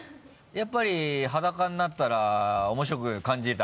やっぱり裸になったら面白く感じた？